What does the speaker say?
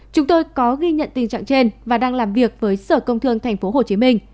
chúng tôi có ghi nhận tình trạng trên và đang làm việc với sở công thương tp hcm